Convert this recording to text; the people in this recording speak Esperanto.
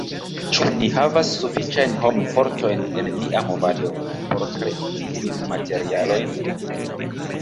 Ĉu ni havas sufiĉajn hom-fortojn en nia movado por krei tiujn materialojn?